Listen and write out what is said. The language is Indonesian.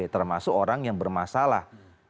termasuk orang yang bermasalah